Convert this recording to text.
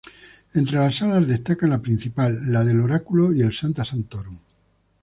Entre las salas destacan la Principal, la del Oráculo, y el Sancta Sanctorum.